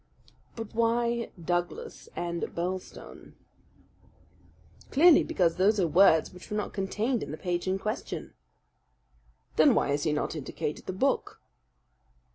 "But why 'Douglas' and 'Birlstone'?" "Clearly because those are words which were not contained in the page in question." "Then why has he not indicated the book?"